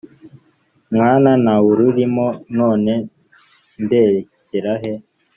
mwana nta wurimo None nderekera he